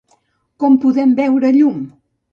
Com poden veure llum?